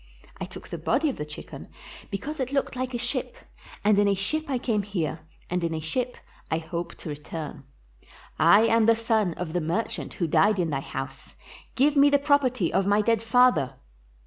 I took the body of the chicken be cause it looks like a ship, and in a ship I came here and in a ship I hope to return. I am the son of the merchant who died in thy house ; give me the property of my dead father."